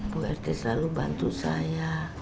bu rt selalu bantu saya